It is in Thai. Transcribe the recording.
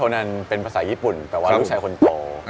นั้นเป็นภาษาญี่ปุ่นแต่ว่าลูกชายคนโต